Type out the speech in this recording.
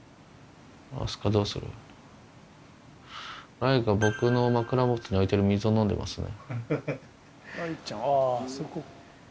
雷が僕の枕元に置いてる水を飲んでますね。